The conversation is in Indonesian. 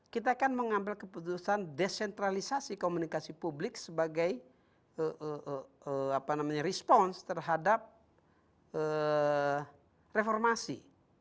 kita kan mengambil keputusan desentralisasi komunikasi publik sebagai respons terhadap reformasi